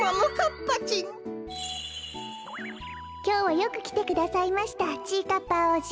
きょうはよくきてくださいましたちぃかっぱおうじ。